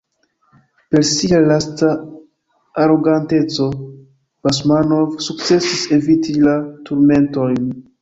Per sia lasta aroganteco Basmanov sukcesis eviti la turmentojn.